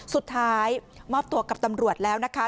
สุดท้ายมอบตัวกับตำรวจแล้วนะคะ